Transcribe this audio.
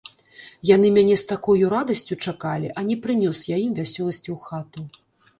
Яны мяне з такою радасцю чакалі, а не прынёс я ім весялосці ў хату.